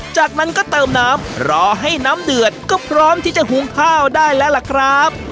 จากนั้นก็เติมน้ำรอให้น้ำเดือดก็พร้อมที่จะหุงข้าวได้แล้วล่ะครับ